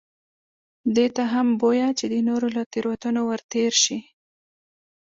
ده ته هم بویه چې د نورو له تېروتنو ورتېر شي.